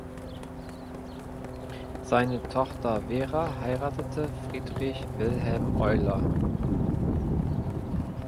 Seine Tochter Vera heiratete Friedrich Wilhelm Euler.